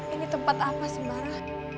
ini tempat apa sih mara